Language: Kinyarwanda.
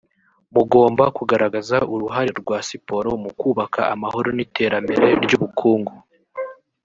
mugomba kugaragaza uruhare rwa siporo mu kubaka amahoro n’iterambere ry’ubukungu